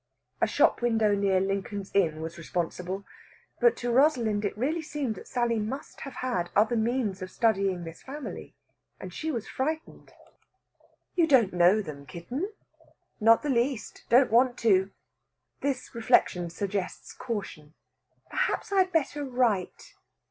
A shop window near Lincoln's Inn was responsible. But to Rosalind it really seemed that Sally must have had other means of studying this family, and she was frightened. "You don't know them, kitten?" "Not the least. Don't want to." This reflection suggests caution. "Perhaps I'd better write...."